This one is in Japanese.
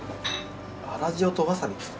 あら塩とわさびですよ。